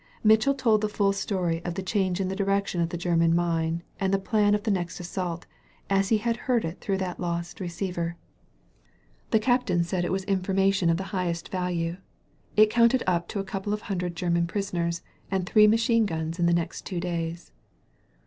Mitchell told the full story of the change in the direction of the German mine and the plan of the next assault, as he had heard it through that lost receiver. The captain said it was information of 157 THE VALLEY OF VISION the highest value. It counted up to a couple of hundred German prisoners and three machine guns in the next two days.